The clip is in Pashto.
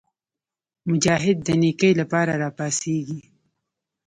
مجاهد د نیکۍ لپاره راپاڅېږي.